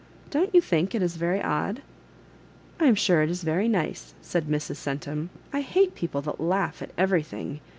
" Don't you think it is very odd?" "I am sure it is very nice," said Mrs. Cen tum. " I hate pepple that laugh at every thing.